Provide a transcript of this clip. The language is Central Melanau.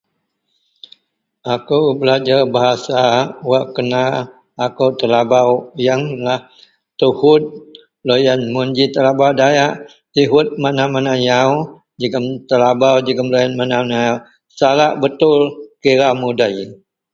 Akou belajer bahasa wak kena akou telabau yenlah tuhut loyen mun ji telabau Dayak tihut mana-mana yau jegem telabau jegem loyen mana-mana yau. Salak betul kira mudei.